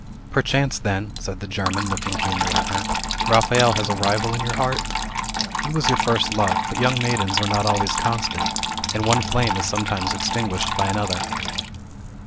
"Perchance, then," said the German, looking keenly at her, "Raphael has a rival in your heart? He was your first love; but young maidens are not always constant, and one flame is sometimes extinguished by another!"